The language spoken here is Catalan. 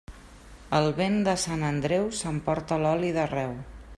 El vent de Sant Andreu s'emporta l'oli d'arreu.